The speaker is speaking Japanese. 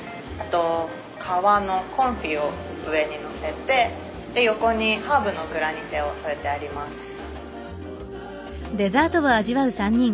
あと皮のコンフィを上にのせて横にハーブのグラニテを添えてあります。